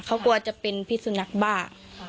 เขากลัวจะเป็นพิสุนัขบ้า